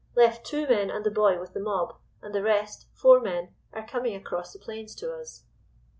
Left two men and the boy with the mob, and the rest, four men, are coming across the plains to us.